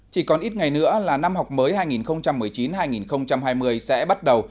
chỉ còn ít ngày nữa là năm học mới hai nghìn một mươi chín hai nghìn hai mươi sẽ bắt đầu